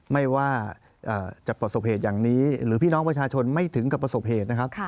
ไม่ว่าจะประสบเหตุอย่างนี้หรือพี่น้องประชาชนไม่ถึงกับประสบเหตุนะครับ